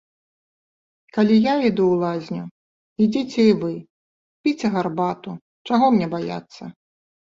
Калі я іду ў лазню, ідзіце і вы, піце гарбату, чаго мне баяцца.